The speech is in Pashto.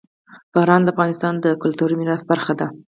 باران د افغانستان د کلتوري میراث برخه ده.